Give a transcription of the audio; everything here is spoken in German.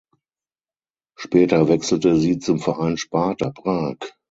Später wechselte sie zum Verein Sparta Prag.